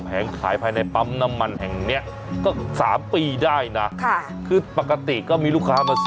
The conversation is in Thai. เป็น๑๐ปีแล้วนะครับ